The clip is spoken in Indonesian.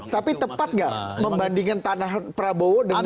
tapi tepat gak membandingkan tanah prabowo dengan tadi